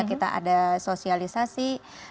kita ada sosialisasi